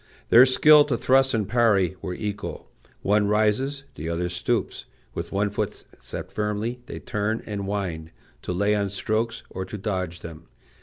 Their skill to thrust and parry were equal; one rises, the other stoops; with one foot set firm they turn and wind, to lay on strokes or to dodge them.